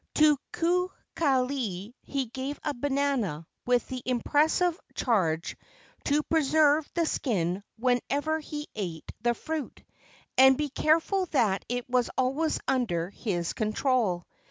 To Kukali he gave a banana with the impressive charge to preserve the skin whenever he ate the fruit, and be careful that it was always under his control.